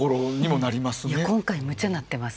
今回むちゃなっています。